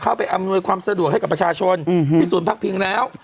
เข้าไปอำนวยความสะดวกให้กับประชาชนเธอสูญพักพิงแล้ว